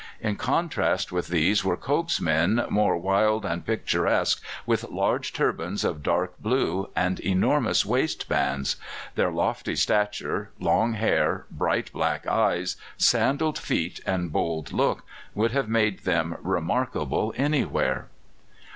In contrast with these were Coke's men, more wild and picturesque, with large turbans of dark blue and enormous waist bands. Their lofty stature, long hair, bright black eyes, sandalled feet, and bold look, would have made them remarkable anywhere.